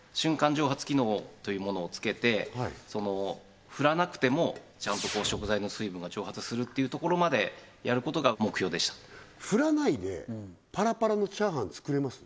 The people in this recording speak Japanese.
蒸発機能というものを付けて振らなくてもちゃんと食材の水分が蒸発するっていうところまでやることが目標でした振らないでパラパラのチャーハン作れます？